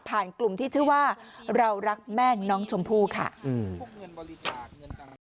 กลุ่มที่ชื่อว่าเรารักแม่น้องชมพู่ค่ะอืม